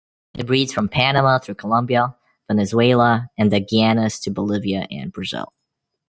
It breeds from Panama through Colombia, Venezuela and the Guianas to Bolivia and Brazil.